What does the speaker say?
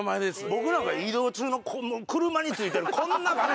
僕なんか移動中の車に付いてるこんな画面。